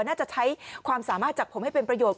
น่าจะใช้ความสามารถจากผมให้เป็นประโยชน